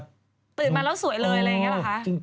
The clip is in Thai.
ตื่นมาแล้วสวยเลยอะไรอย่างนี้หรอคะ